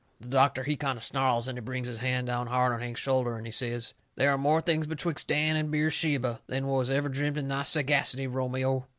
The doctor he kind o' snarls, and he brings his hand down hard on Hank's shoulder, and he says: "There are more things betwixt Dan and Beersheba than was ever dreamt of in thy sagacity, Romeo!"